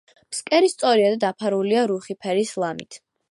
ფსკერი სწორია და დაფარულია რუხი ფერის ლამით.